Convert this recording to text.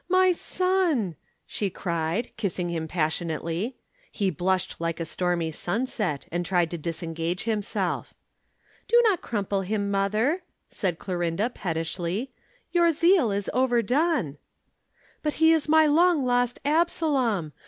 my son!" she cried, kissing him passionately. He blushed like a stormy sunset and tried to disengage himself. "Do not crumple him, mother," said Clorinda pettishly. "Your zeal is overdone." "But he is my long lost Absalom!